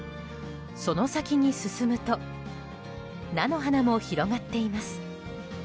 その先に進むと菜の花も広がっています。